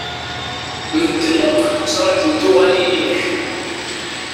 Medden akk ttrajun tuɣalin-inek.